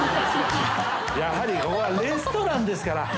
やはりここはレストランですから。